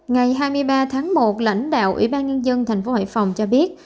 ngày hai mươi ba tháng một lãnh đạo ủy ban nhân dân tp hcm cho biết